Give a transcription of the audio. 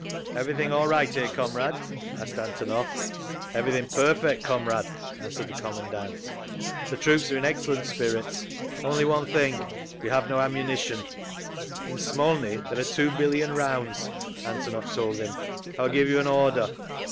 "Everything all right here, comrade?" asked Antonov. "Everything perfect, comrade," answered the commandant. "The troops are in excellent spirits…. Only one thing—we have no ammunition…." "In Smolny there are two billion rounds," Antonov told him. "I will give you an order."